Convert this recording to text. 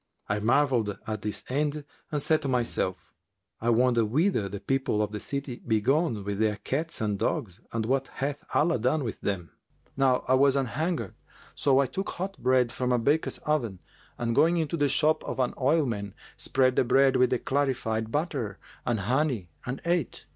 I marvelled at this end and said to myself, 'I wonder whither the people of the city be gone with their cats and dogs and what hath Allah done with them?' Now I was anhungred so I took hot bread from a baker's oven and going into the shop of an oilman, spread the bread with clarified butter and honey and ate.